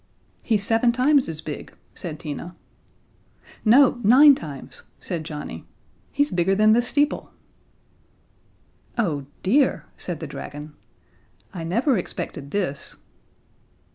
"He's seven times as big," said Tina. "No, nine times," said Johnnie. "He's bigger than the steeple." "Oh, dear," said the dragon. "I never expected this."